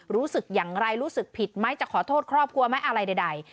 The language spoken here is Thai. รู้สึกอย่างไรรู้สึกผิดไหมจะขอโทษครอบครัวไหมอะไรใด